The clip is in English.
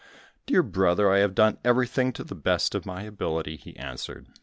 "Dear brother, I have done everything to the best of my ability," he answered.